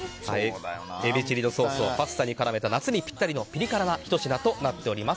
エビチリのソースをパスタに絡めた夏にぴったりのピリ辛なひと品となっております。